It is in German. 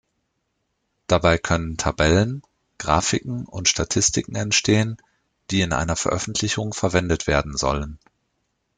Dabei können Tabellen, Graphiken und Statistiken entstehen, die in einer Veröffentlichung verwendet werden sollen.